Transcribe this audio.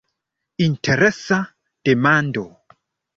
Interesa demando!